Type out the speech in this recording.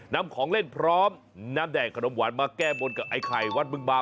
นำของเล่นพร้อมน้ำแดงขนมหวานมาแก้บนกับไอ้ไข่วัดบึงบา